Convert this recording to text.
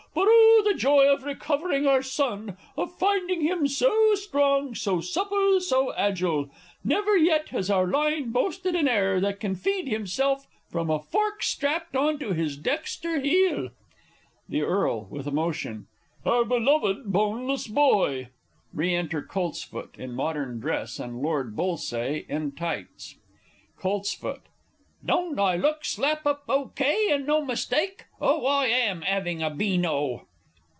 But, oh, the joy of recovering our son of finding him so strong, so supple, so agile. Never yet has our line boasted an heir who can feed himself from a fork strapped on to his dexter heel! The E. (with emotion). Our beloved, boneless boy! [Re enter COLTSFOOT in modern dress, and Lord B. in tights. Colts. Don't I look slap up O.K. and no mistake? Oh, I am 'aving a beano!